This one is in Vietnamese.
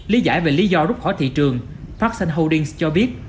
lý giải về lý do rút khỏi thị trường fast holdings cho biết